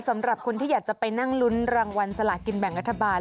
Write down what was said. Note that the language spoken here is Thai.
สำหรับคนที่อยากจะไปนั่งลุ้นรางวัลสลากินแบ่งรัฐบาล